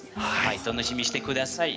楽しみにしてください。